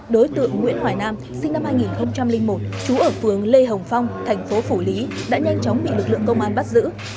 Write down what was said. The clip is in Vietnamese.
đối tượng nguyễn hoài nam sinh năm hai nghìn một trú ở phường lê hồng phong thành phố phủ lý đã nhanh chóng bị lực lượng công an bắt giữ